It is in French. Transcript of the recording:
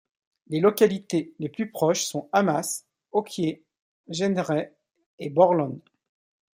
Les localités les plus proches sont Amas, Ocquier, Jenneret et Borlon.